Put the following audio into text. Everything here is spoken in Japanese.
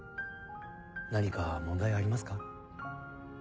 何か問題ありますか？